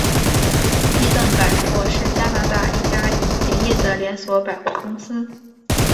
伊顿百货是加拿大一家已结业的连锁百货公司。